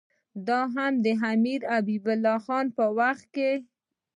دا هم د امیر حبیب الله خان په وخت کې.